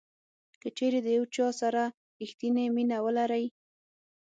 کچیرې د یو چا سره ریښتینې مینه ولرئ.